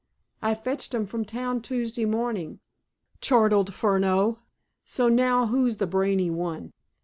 "I fetched 'em from town Tuesday morning," chortled Furneaux. "So now who's the brainy one?"